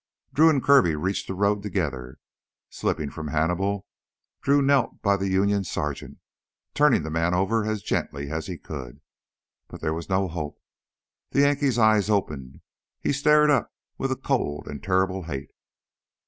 Drew and Kirby reached the road together. Slipping from Hannibal, Drew knelt by the Union sergeant, turning the man over as gently as he could. But there was no hope. The Yankee's eyes opened; he stared up with a cold and terrible hate.